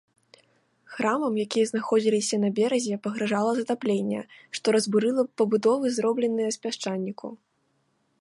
Храмам, якія знаходзіліся на беразе, пагражала затапленне, што разбурыла б пабудовы зробленыя з пясчаніку.